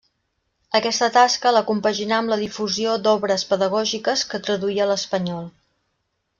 Aquesta tasca la compaginà amb la difusió d'obres pedagògiques, que traduí a l'espanyol.